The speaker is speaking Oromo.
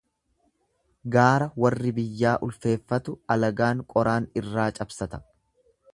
Gaara warri biyyaa ulfeeffatu alagaan qoraan irraa cabsata.